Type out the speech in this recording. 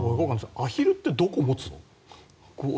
アヒルってどう持つの？